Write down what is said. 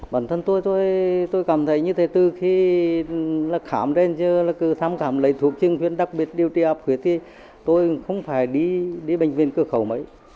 bản thân tôi tôi cảm thấy như thế từ khi khám đến giờ thăm khám lấy thuốc chương truyền đặc biệt điều trị áp huyết thì tôi không phải đi bệnh viện cửa khẩu mấy